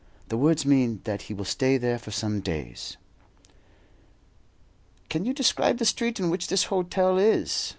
The words mean that he will stay there for some days." "Can you describe the street in which this hotel is?"